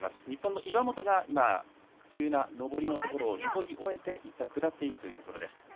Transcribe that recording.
日本の岩本が今急な上りのところを上り終えていったん、下っていくところです。